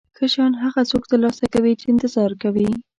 ښه شیان هغه څوک ترلاسه کوي چې انتظار کوي.